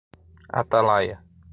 Atalaia